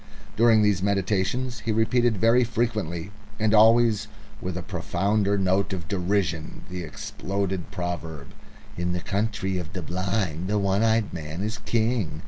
During these meditations he repeated very frequently and always with a profounder note of derision the exploded proverb: "In the Country of the Blind the One Eyed Man is King."